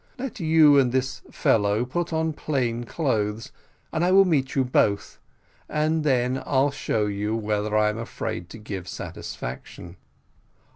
Let you, and this fellow, put on plain clothes, and I will meet you both and then I'll show you whether I am afraid to give satisfaction."